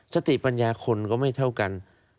สติปัญญาคนก็ไม่เท่ากัน